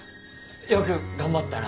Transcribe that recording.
よく頑張ったな。